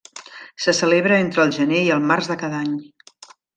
Se celebra entre el gener i el març de cada any.